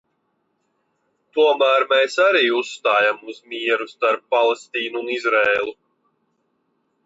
Tomēr mēs arī uzstājam uz mieru starp Palestīnu un Izraēlu.